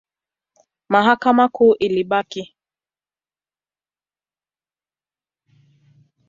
Mahakama Kuu ilibaki.